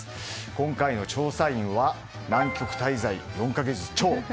今回の調査員は南極滞在４か月超。